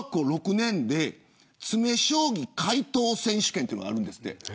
詰将棋解答選手権というのがあるんですって。